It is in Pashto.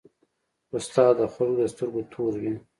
استاد د خلکو د سترګو تور وي.